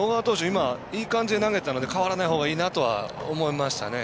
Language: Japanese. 今、いい感じで投げてたので代わらないほうがいいなとは思いましたね。